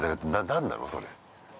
◆何なの、それ。